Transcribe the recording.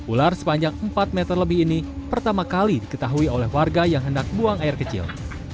ular sepanjang empat meter lebih ini pertama kali diketahui oleh warga yang hendak buang air kecil